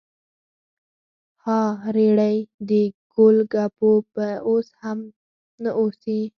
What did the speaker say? ها ریړۍ د ګول ګپو به اوس هم اوسي؟